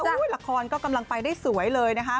ละครก็กำลังไปได้สวยเลยนะคะ